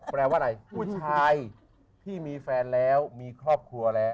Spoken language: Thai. แปลว่าอะไรผู้ชายที่มีแฟนแล้วมีครอบครัวแล้ว